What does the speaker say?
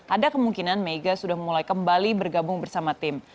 ada kemungkinan mega sudah mulai kembali bergabung bersama tim